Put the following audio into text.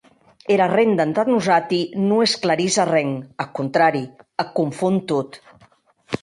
Era renda, entà nosati, non esclarís arren; ath contrari, ac confon tot.